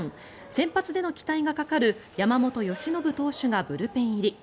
先発での期待がかかる山本由伸投手がブルペン入り。